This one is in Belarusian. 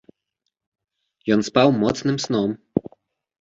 Ён спаў моцным сном.